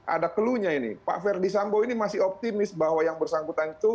ada cluenya ini pak ferdis sambo ini masih optimis bahwa yang bersangkutan itu